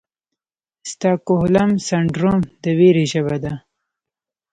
سټاکهولم سنډروم د ویرې ژبه ده.